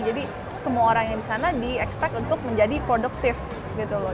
jadi semua orang yang di sana di expect untuk menjadi productive gitu loh